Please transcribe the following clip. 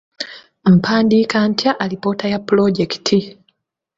Mpandiika ntya alipoota ya pulojekiti?